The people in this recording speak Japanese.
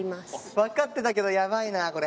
分かってたけど、やばいな、これ。